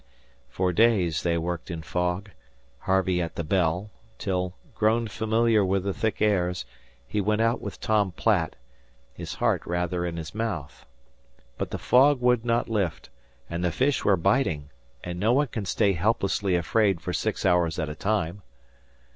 For days they worked in fog Harvey at the bell till, grown familiar with the thick airs, he went out with Tom Platt, his heart rather in his mouth. But the fog would not lift, and the fish were biting, and no one can stay helplessly afraid for six hours at a time.